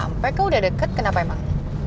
sampai kau udah deket kenapa emang